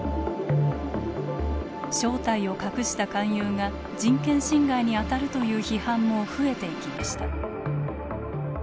正体を隠した勧誘が人権侵害にあたるという批判も増えていきました。